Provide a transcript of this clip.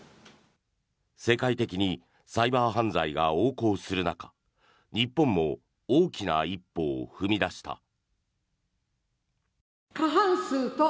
世界的にサイバー犯罪が横行する中日本も大きな一歩を踏み出した。